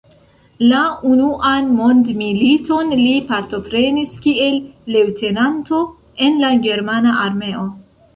La Unuan Mondmiliton li partoprenis kiel leŭtenanto en la germana armeo.